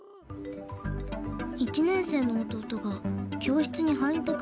１年生の弟が教室に入りたくないって。